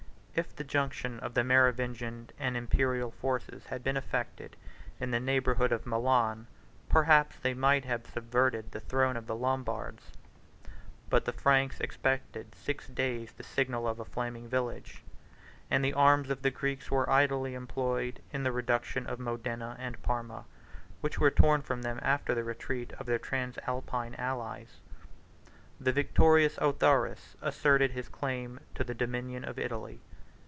If the junction of the Merovingian and Imperial forces had been effected in the neighborhood of Milan, perhaps they might have subverted the throne of the Lombards; but the Franks expected six days the signal of a flaming village, and the arms of the Greeks were idly employed in the reduction of Modena and Parma, which were torn from them after the retreat of their transalpine allies. The victorious Autharis asserted his claim to the dominion of Italy.